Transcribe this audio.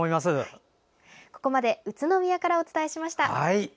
ここまで宇都宮からお伝えしました。